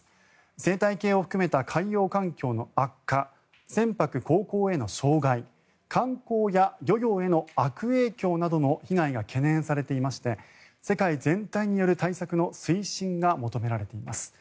生態系を含めた海洋環境の悪化船舶航行への障害観光や漁業への悪影響などの被害が懸念されていまして世界全体による対策の推進が求められています。